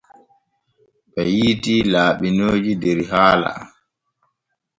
Ɓe yiitii laaɓinooji der haala.